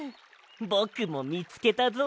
ぼくもみつけたぞ。